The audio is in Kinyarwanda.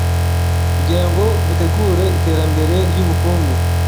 kugirango butegure iterambere ryubukungu